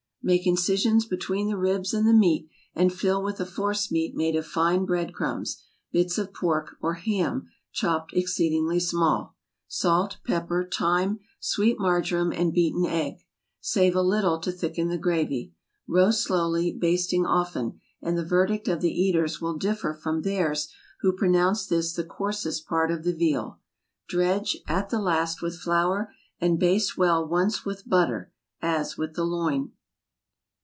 Make incisions between the ribs and the meat, and fill with a force meat made of fine bread crumbs, bits of pork, or ham chopped "exceeding small," salt, pepper, thyme, sweet marjoram, and beaten egg. Save a little to thicken the gravy. Roast slowly, basting often, and the verdict of the eaters will differ from theirs who pronounce this the coarsest part of the veal. Dredge, at the last, with flour, and baste well once with butter, as with the loin.